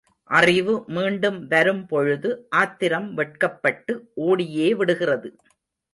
அறிவு மீண்டும் வரும் பொழுது ஆத்திரம் வெட்கப்பட்டு ஓடியே விடுகிறது.